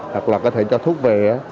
hoặc là có thể cho thuốc về